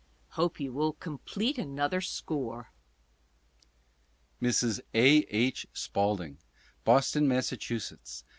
Hope you will complete another score. Mrs. A. H. Spaulding: Boston, Mass.